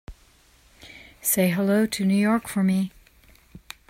Say hello to New York for me.